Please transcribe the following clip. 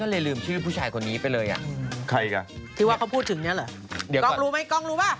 กองรู้ไหมกองรู้ปะ